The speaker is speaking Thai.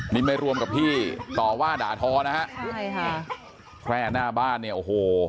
นี่ไม่รวมกับพี่ต่อว่าด่าทอนะฮะใช่ค่ะแค่หน้าบ้านเนี่ยโอ้โห